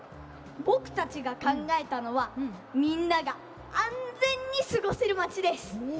僕たちが考えたのは、みんなが安全に過ごせるまちです。